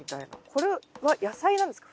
これは野菜なんですか？